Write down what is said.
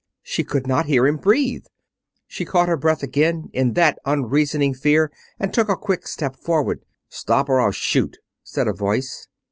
She could not hear him breathe! She caught her breath again in that unreasoning fear and took a quick step forward. "Stop or I'll shoot!" said a voice.